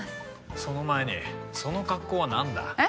その前にその格好はなんだ？えっ？